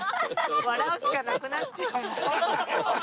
笑うしかなくなっちゃう。